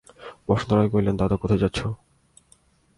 বসন্ত রায় কহিলেন, দাদা, কোথায় যাস?